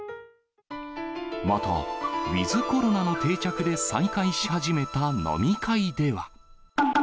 また、ウィズコロナの定着で、再開し始めた飲み会では。